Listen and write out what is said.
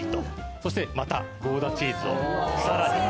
そしてまたゴーダチーズをさらに。